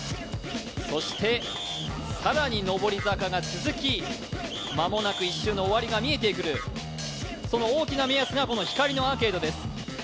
そして更に上り坂が続き、まもなく１周の終わりが見えてくるその大きな目安がこの光のアーケードです。